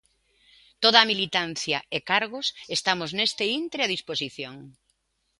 Toda a militancia e cargos estamos neste intre a disposición.